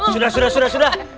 sudah sudah sudah